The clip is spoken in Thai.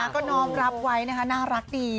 ก็น้อมรับไว้นะคะน่ารักดี